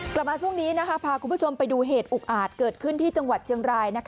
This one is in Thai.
กลับมาช่วงนี้พาคุณผู้ชมไปดูเหตุอุกอาจเกิดขึ้นที่จังหวัดเชียงราย